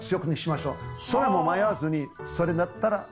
それはもう迷わずにそれだったら。